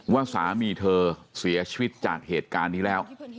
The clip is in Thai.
ว่าสามีเธอเสียชีวิตจากเหตุการณ์นี้แล้ว